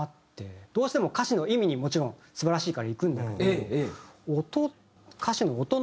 どうしても歌詞の意味にもちろん素晴らしいからいくんだけど。